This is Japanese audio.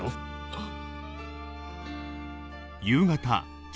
あっ